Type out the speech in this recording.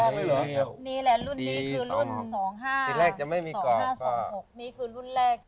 อันนี้รุ่นแรกค่ะนี่แหละรุ่นนี้คือรุ่น๒๕๒๕๒๖นี่คือรุ่นแรก